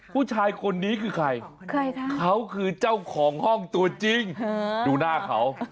ผู้ชายคนนี้คือใครคะเขาคือเจ้าของห้องตัวจริงดูหน้าเขา